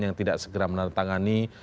yang tidak segera menantangani